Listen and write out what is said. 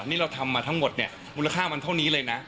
นี่เราทำมาทั้งหมดเนี่ยมูลค่ามันเท่านี้เลยนะ